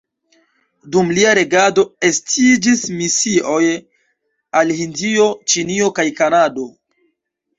Dum lia regado estiĝis misioj al Hindio, Ĉinio kaj Kanado.